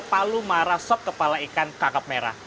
palu marasop kepala ikan kakap merah